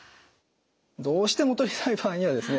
どうしても取りたい場合にはですね